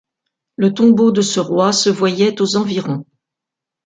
Le tombeau de ce roi se voyait aux environs.